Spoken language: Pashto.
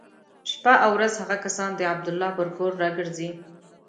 شپه او ورځ هغه کسان د عبدالله پر کور را ګرځي.